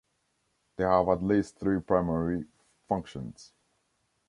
They have at least three primary functions.